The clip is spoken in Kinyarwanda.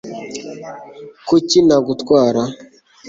kuki ntagutwara